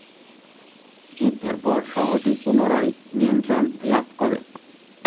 যুদ্ধের পর শহরটি পুনরায় নিয়ন্ত্রণ লাভ করে।